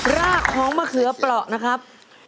รากของมะเขือเปราะนะครับ